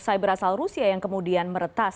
cyber asal rusia yang kemudian meretas